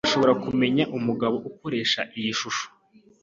Urashobora kumenya umugabo ukoresha iyi shusho?